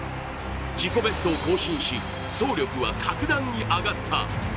自己ベストを更新し、総力は格段に上がった。